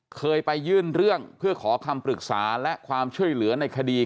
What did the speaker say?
เคยไปยื่นเรื่องเพื่อขอคำปรึกษาและความช่วยเหลือในคดี